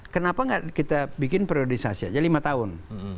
kenapa tidak kita bikin priorisasi aja lima tahun